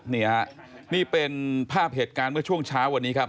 นี่ฮะนี่เป็นภาพเหตุการณ์เมื่อช่วงเช้าวันนี้ครับ